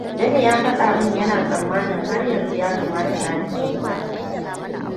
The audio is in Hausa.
Jami ya fada min yana tsammanin har yanzu ya kamata Ladi ta yi wannan.